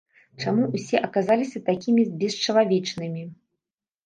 Чаму ўсе аказаліся такімі бесчалавечнымі?